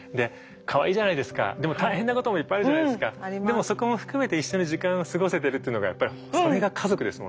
でもそこも含めて一緒に時間を過ごせてるっていうのがやっぱりそれが家族ですもんね。